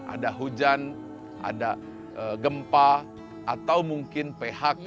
ada hujan ada gempa atau mungkin phk